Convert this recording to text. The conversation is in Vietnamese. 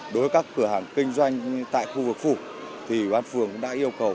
đối với các cửa hàng kinh doanh tại khu vực phủ thì quán phường đã yêu cầu